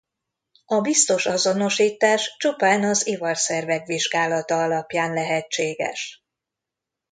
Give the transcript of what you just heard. A biztos azonosítás csupán az ivarszervek vizsgálata alapján lehetséges.